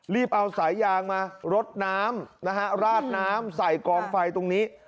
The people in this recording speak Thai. เอาสายยางมารดน้ำนะฮะราดน้ำใส่กองไฟตรงนี้